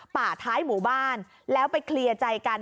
ป่าท้ายหมู่บ้านแล้วไปเคลียร์ใจกัน